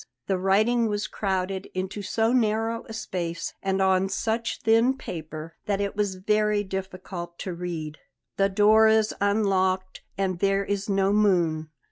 The writing was crowded into so narrow a space, and on such thin paper, that it was very difficult to read. "The door is unlocked, and there is no moon.